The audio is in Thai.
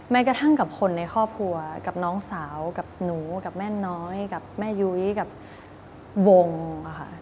กระทั่งกับคนในครอบครัวกับน้องสาวกับหนูกับแม่น้อยกับแม่ยุ้ยกับวงค่ะ